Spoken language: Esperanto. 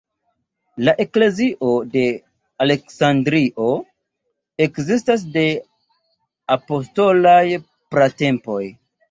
La "eklezio de Aleksandrio" ekzistas de apostolaj pratempoj.